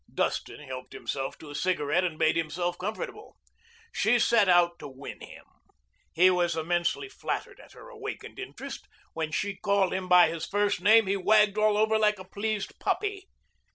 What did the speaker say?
Dustin helped himself to a cigarette and made himself comfortable. She set herself to win him. He was immensely flattered at her awakened interest. When she called him by his first name, he wagged all over like a pleased puppy.